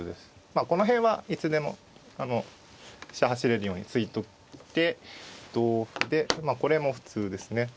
まあこの辺はいつでも飛車走れるように突いといて同歩でまあこれも普通ですね。